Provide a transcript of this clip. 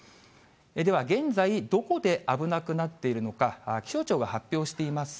では、現在、どこで危なくなっているのか、気象庁が発表しています